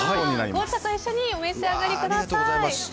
紅茶と一緒にお召し上がりください。